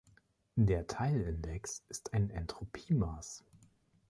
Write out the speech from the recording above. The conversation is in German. Der Theil-Index ist ein Entropiemaß.